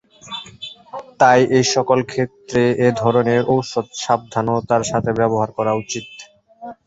তাই এসকল ক্ষেত্রে এ ধরনের ঔষধ সাবধানতার সাথে ব্যবহার করা উচিত।